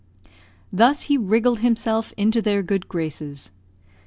Thus he wriggled himself into their good graces.